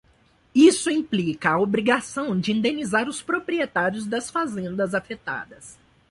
Isso implica a obrigação de indenizar os proprietários das fazendas afetadas.